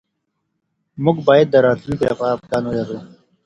موږ بايد د راتلونکي لپاره پلان ولرو.